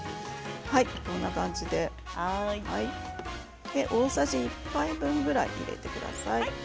こんな感じで大さじ１杯分ぐらい入れてください。